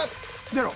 出ろ。